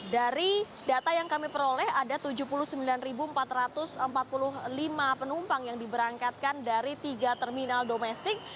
dari data yang kami peroleh ada tujuh puluh sembilan empat ratus empat puluh lima penumpang yang diberangkatkan dari tiga terminal domestik